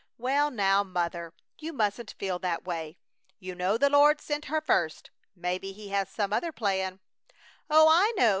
"Well, now, Mother, you mustn't feel that way. You know the Lord sent her first. Maybe He has some other plan." "Oh, I know!"